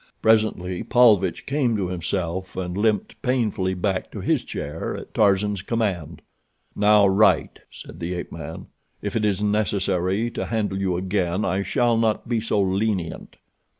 Presently Paulvitch came to himself, and limped painfully back to his chair at Tarzan's command. "Now write," said the ape man. "If it is necessary to handle you again I shall not be so lenient."